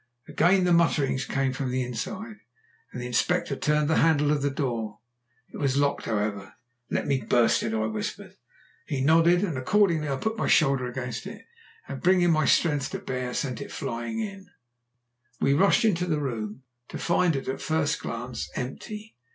Again the mutterings came from the inside, and the Inspector turned the handle of the door. It was locked, however. "Let me burst it in," I whispered. He nodded, and I accordingly put my shoulder against it, and bringing my strength to bear sent it flying in. Then we rushed into the room, to find it, at first glance, empty.